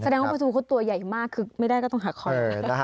แสดงว่าประตูเขาตัวใหญ่มากคือไม่ได้ก็ต้องหาคอน